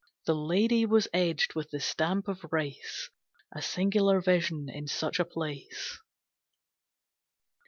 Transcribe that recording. The lady was edged with the stamp of race. A singular vision in such a place.